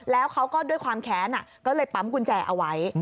แล้วเขาก็ด้วยความแค้นก็เลยปั๊มกุญแจเอาไว้